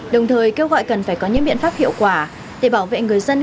đồng thời kêu gọi cần phải có những biện pháp hiệu quả để bảo vệ người dân